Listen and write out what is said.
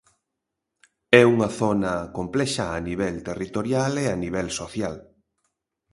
É unha zona complexa a nivel territorial e a nivel social.